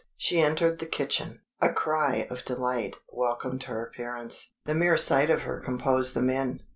She entered the kitchen. A cry of delight welcomed her appearance the mere sight of her composed the men.